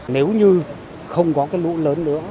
nếu như không có cái lũ lớn nữa